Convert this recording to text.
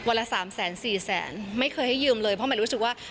วันละ๓แสน๔แสนไม่เคยให้ยืมเลยเพราะมันรู้สึกว่า